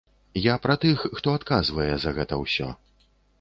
Я пра тых, хто адказвае за гэта ўсё.